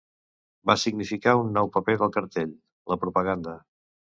Va significar un nou paper del cartell: la propaganda.